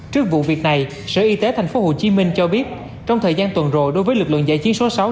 trước vụ việc này sở y tế tp hcm cho biết trong thời gian tuần rồ đối với lực lượng giải chiến số sáu